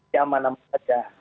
ya aman aman saja